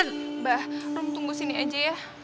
mbah room tunggu sini aja ya